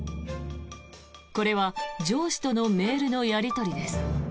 これは上司とのメールのやり取りです。